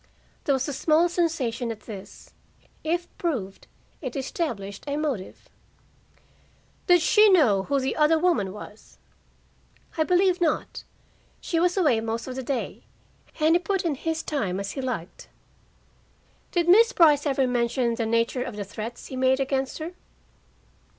There was a small sensation at this. If proved, it established a motive. "Did she know who the other woman was?" "I believe not. She was away most of the day, and he put in his time as he liked." "Did Miss Brice ever mention the nature of the threats he made against her?"